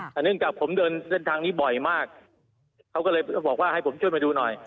แต่เนื่องจากผมเดินเส้นทางนี้บ่อยมากเขาก็เลยบอกว่าให้ผมช่วยมาดูหน่อย